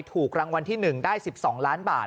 ถูกรางวัลที่๑ได้๑๒ล้านบาท